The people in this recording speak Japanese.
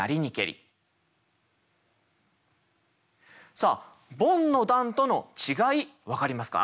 さあボンの段との違い分かりますか？